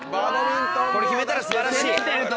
これ決めたら素晴らしい。